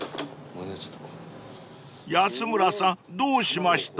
［安村さんどうしました？］